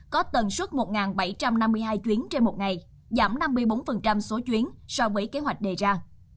có tần suất một bảy trăm năm mươi hai chuyến trên một ngày giảm năm mươi bốn số chuyến so với kế hoạch đề ra